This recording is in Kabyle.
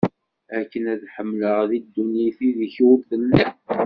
Akken ad hemleɣ di ddunit ideg ur telliḍ